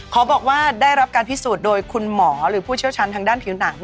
ขอบอกว่าได้รับการพิสูจน์โดยคุณหมอหรือผู้เชี่ยวชาญทางด้านผิวหนัง